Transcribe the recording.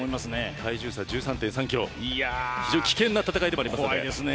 体重差、１３．３ｋｇ危険な戦いでもありますが。